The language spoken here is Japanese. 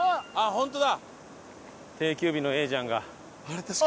ホントだ。